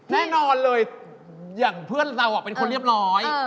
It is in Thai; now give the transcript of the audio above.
แน่นอนเลยอย่างเพื่อนเราเป็นคนเรียบร้อย